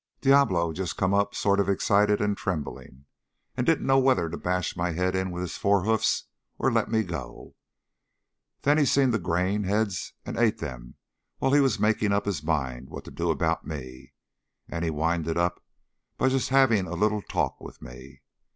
Diablo just come up sort of excited and trembling and didn't know whether to bash my head in with his forehoofs or let me go. Then he seen the grain heads and ate them while he was making up his mind what to do about me. And he winded up by just having a little talk with me.